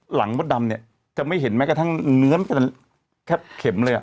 หลังก้าวดำจะไม่เห็นกระทั่งเนื้อเกี่ยว